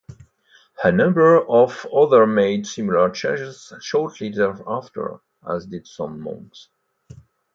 A number of others made similar charges shortly thereafter, as did some monks.